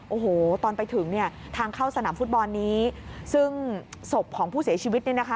โอ้โหตอนไปถึงเนี่ยทางเข้าสนามฟุตบอลนี้ซึ่งศพของผู้เสียชีวิตเนี่ยนะคะ